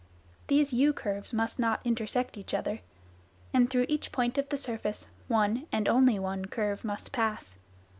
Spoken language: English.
These u curves must not intersect each other, and through each point of the surface one and only one curve must pass.